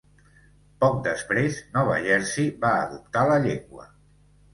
Poc després, Nova Jersey va adoptar la llengua.